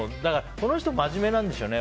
この人は真面目なんでしょうね。